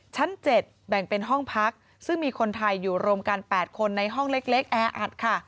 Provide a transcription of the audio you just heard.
ชั้น๗แบ่งเป็นห้องพักซึ่งมีคนไทยอยู่รวมกัน๘คนในห้องเล็กแออัดค่ะ